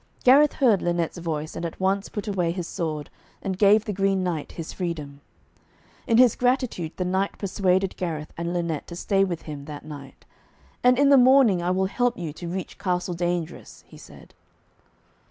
Gareth heard Lynette's voice, and at once put away his sword, and gave the Green Knight his freedom. In his gratitude the knight persuaded Gareth and Lynette to stay with him that night, 'and in the morning I will help you to reach Castle Dangerous,' he said.